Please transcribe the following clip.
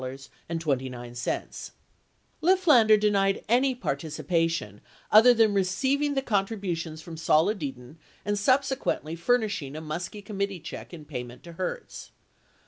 Lifflander denied any participation other than receiving the con tributions from Sol Edidin and subsequently furnishing a Muskie committee check in payment to Hertz.